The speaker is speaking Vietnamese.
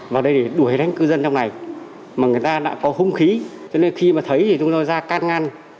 vào đây để đuổi đánh cư dân trong này mà người ta đã có hung khí cho nên khi mà thấy thì chúng tôi ra can ngăn